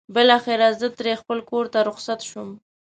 بالاخره زه ترې خپل کور ته رخصت شوم.